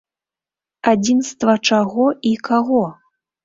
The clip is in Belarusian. Адзінства чаго і каго?